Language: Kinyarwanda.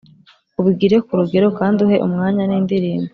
ubigire ku rugero, kandi uhe umwanya n’indirimbo.